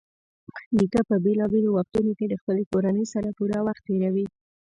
نیکه په بېلابېلو وختونو کې د خپلې کورنۍ سره پوره وخت تېروي.